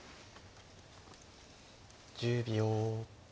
１０秒。